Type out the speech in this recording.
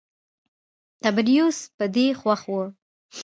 تبریوس په دې خوښ و.